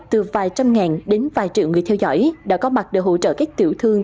từ vài trăm ngàn đến vài triệu người theo dõi đã có mặt để hỗ trợ các tiểu thương